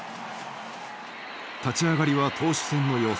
立ち上がりは投手戦の様相。